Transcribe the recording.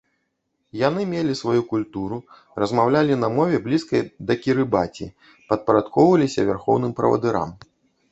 Яны мелі сваю культуру, размаўлялі на мове, блізкай да кірыбаці, падпарадкоўваліся вярхоўным правадырам.